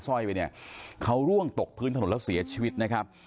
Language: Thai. ร้อยไปเนี่ยเขาร่วงตกพื้นถนนแล้วเสียชีวิตนะครับ